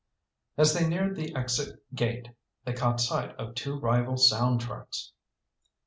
As they neared the exit gate, they caught sight of two rival sound trucks.